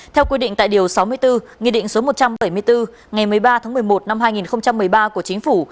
theo quy định tại điều sáu mươi bốn nghị định số một trăm bảy mươi bốn ngày một mươi ba tháng một mươi một năm hai nghìn một mươi ba của chính phủ